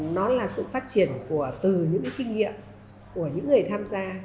nó là sự phát triển từ những kinh nghiệm của những người tham gia